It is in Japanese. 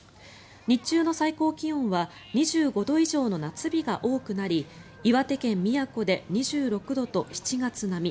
日中の最高気温は２５度以上の夏日が多くなり岩手県宮古で２６度と７月並み